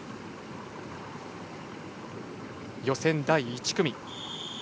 予選第１組。